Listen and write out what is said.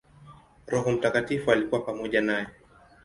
Roho Mtakatifu alikuwa pamoja naye.